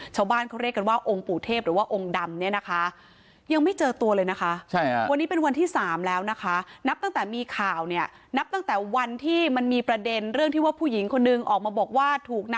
ชาวบ้านเขาเรียกกันว่าองค์ปู่เทพหรือว่าองค์ดำเนี่ยนะคะ